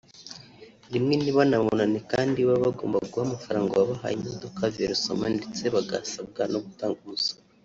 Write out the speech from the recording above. rimwe ntibanababone kandi baba bagomba guha amafaranga uwabahaye imodoka (versement) ndetse basabwa no gutanga umusoro”